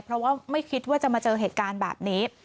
เพราะว่าไม่คิดว่าจะมาเจอเหตุการณ์แบบนี้